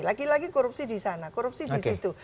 lagi lagi korupsi di sana korupsi di situ